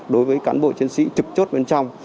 đối với cán bộ chiến sĩ trực chốt bên trong